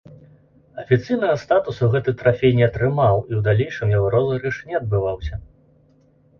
Афіцыйнага статусу гэты трафей не атрымаў і ў далейшым яго розыгрыш не адбываўся.